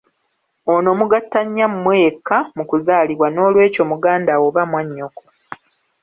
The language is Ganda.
Ono mugatta nnyammwe yekka mu kuzaalibwa n'olweky'o mugandawo oba mwannyoko.